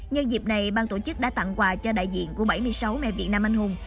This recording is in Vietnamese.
nhân dịp này ban tổ chức đã tặng quà cho đại diện của bảy mươi sáu mẹ việt nam anh hùng